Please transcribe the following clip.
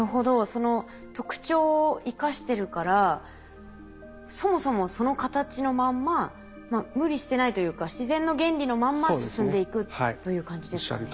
その特徴を生かしてるからそもそもその形のまんま無理してないというか自然の原理のまんま進んでいくという感じですかね。